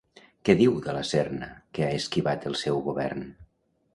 Què diu De la Serna que ha esquivat el seu govern?